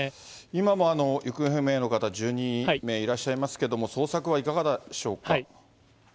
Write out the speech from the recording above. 今も行方不明の方、１２名いらっしゃいますけれども、捜索はいかがでしょうか？